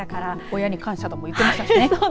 親に感謝ってことも言ってましたからね。